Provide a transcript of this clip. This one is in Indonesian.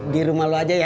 di rumah lo aja ya